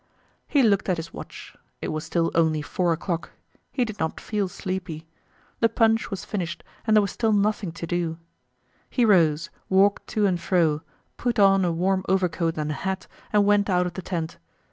He looked at his watch. It was still only four o'clock. He did not feel sleepy. The punch was finished and there was still nothing to do. He rose, walked to and fro, put on a warm overcoat and a hat, and went out of the tent.